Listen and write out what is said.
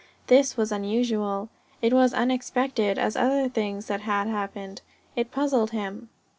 This was unusual. It was unexpected as other things that had happened. It puzzled him.